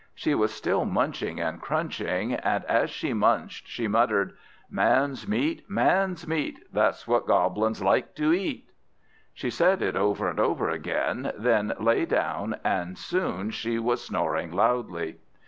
She was still munching and crunching, and as she munched she muttered: "Man's meat, man's meat, That's what Goblins like to eat!" She said it over and over again, then lay down; and soon she was snoring loudly.